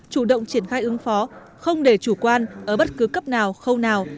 chủ động triển khai ứng phó không để chủ quan ở bất cứ cấp nào khâu nào